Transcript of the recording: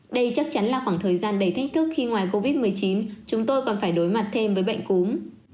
đây chắc chắn là khoảng thời gian đầy thách thức khi ngoài covid một mươi chín chúng tôi còn phải đối mặt thêm với bệnh cúm